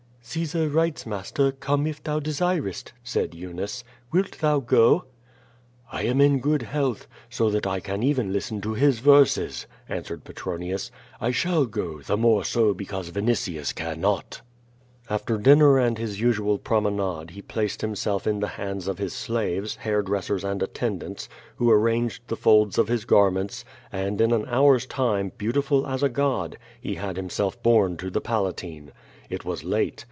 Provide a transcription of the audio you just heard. "Caesar writes, master, ^Come if thou desirest,' said Eunice. Wilt thou go?" "I am in good health, so that I can even listen to his verses," answered Petronius. "I shall go, the more so because Vinitius cannot." After dinner and his usual promenade he placed himself in the hands of his slaves, hair dressers and attendants, who ar ranged the folds of his garments, and, in an hour's time, beau tiful as a god, he had himself borne to the Palatine. It was late.